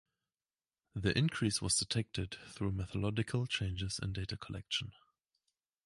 The increase was detected through methodological changes in data collection.